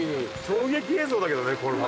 衝撃映像だけどねこれ。